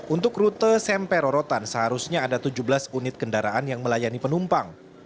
untuk rute semperorotan seharusnya ada tujuh belas unit kendaraan yang melayani penumpang